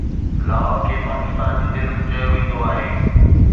لاهور کي پاڪستان جي دل به چيو ويندو آهي